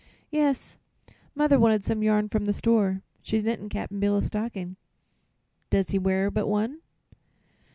"Yes. Mother wanted some yarn from the store. She's knittin' Cap'n Bill a stocking." "Doesn't he wear but one?"